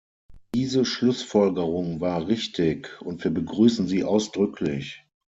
Diese Schlussfolgerung war richtig, und wir begrüßen sie ausdrücklich.